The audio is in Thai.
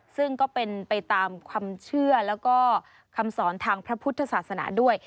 ซึ่งก็เป็นไปตามความเชื่อแล้วก็คำสอนทางพระพุทธศาสนาด้วย